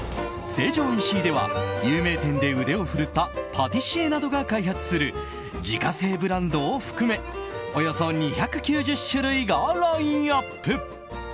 成城石井では有名店で腕を振るったパティシエなどが開発する自家製ブランドを含めおよそ２９０種類がラインアップ。